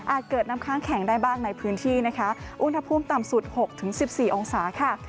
เกิดน้ำค้างแข็งได้บ้างในพื้นที่นะคะอุณหภูมิต่ำสุด๖๑๔องศาค่ะ